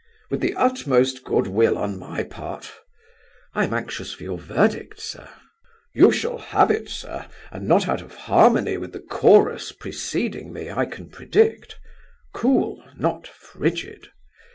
"With the utmost good will on my part." "I am anxious for your verdict, sir." "You shall have it, sir, and not out of harmony with the chorus preceding me, I can predict. Cool, not frigid."